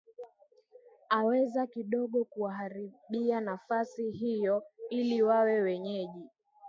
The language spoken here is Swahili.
aweza kidogo kuwaharibia nafasi hiyo ili wawe wenyeji